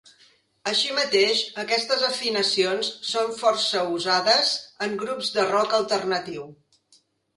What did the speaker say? Així mateix aquestes afinacions són força usades en grups de rock alternatiu.